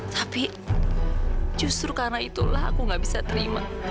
tapi justru karena itulah aku gak bisa terima